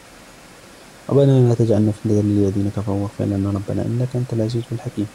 ربنا لا تجعلنا فتنة للذين كفروا واغفر لنا ربنا إنك أنت العزيز الحكيم